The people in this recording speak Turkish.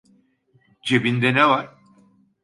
Cebinde ne var?